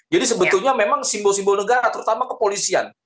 jadi sebetulnya memang simbol simbol negara terutama kepolisian